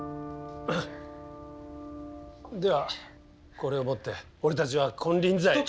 ではこれをもって俺たちは金輪際。